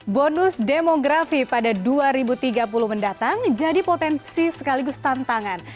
bonus demografi pada dua ribu tiga puluh mendatang jadi potensi sekaligus tantangan